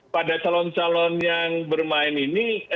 pada calon calon yang bermain ini